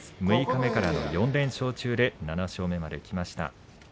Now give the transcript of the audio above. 六日目からの４連勝中で７勝目まできました。